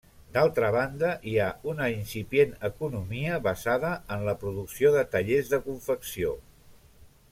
D'altra banda hi ha una incipient economia basada en la producció de tallers de confecció.